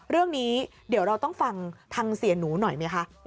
เรื่องนี้เดี๋ยวเราต้องฟังทางเสียหนูหน่อยไหมคะ